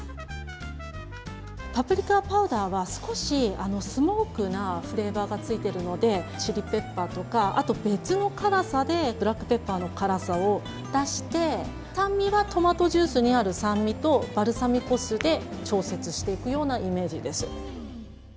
パプリカパウダーは少しスモークなフレーバーがついているのでチリペッパーとかあと、別の辛さでブラックペッパーの辛さを出して酸味はトマトジュースにある酸味とバルサミコ酢で調節していくようなイメージです。